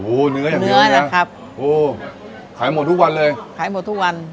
โอ้โหเนื้ออย่างเนื้อนะครับโอ้ขายหมดทุกวันเลยขายหมดทุกวัน